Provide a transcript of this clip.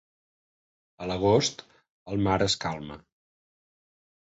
A l'agost, el mar es calma.